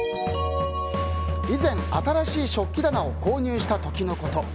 以前、新しい食器棚を購入した時のこと。